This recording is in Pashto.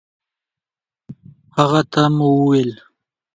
هغه ته مو وويل